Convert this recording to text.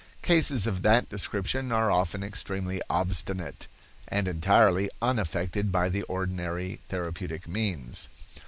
Cases of that description are often extremely obstinate, and entirely unaffected by the ordinary therapeutic means.